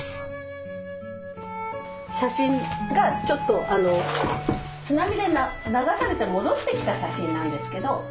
写真がちょっとあの津波で流されて戻ってきた写真なんですけど。